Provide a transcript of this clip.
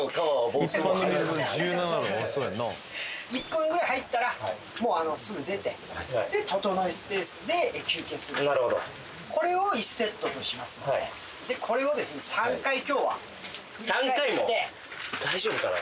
１分ぐらい入ったらもうすぐ出てでととのえスペースで休憩するなるほどこれを１セットとしますのででこれをですね３回今日は大丈夫かな？